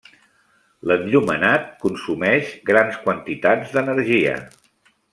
L'enllumenat consumeix grans quantitats d'energia.